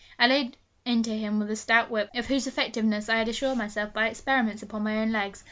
I laid into him with a stout whip, of whose effectiveness I had assured myself by experiments upon my own legs.